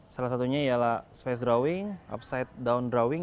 salah satunya ialah space drawing upside down drawing